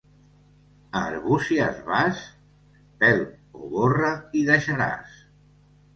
A Arbúcies vas? Pèl o borra hi deixaràs.